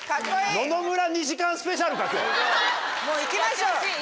もう行きましょう！